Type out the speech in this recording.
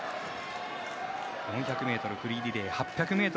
４００ｍフリーリレー８００ｍ